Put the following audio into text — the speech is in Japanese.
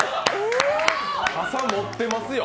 傘持ってますよ。